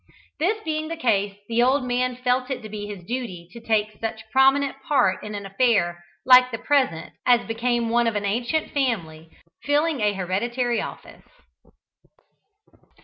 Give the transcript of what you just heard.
This being the case, the old man felt it to be his duty to take such prominent part in an affair like the present as became one of an ancient family, filling an hereditary office.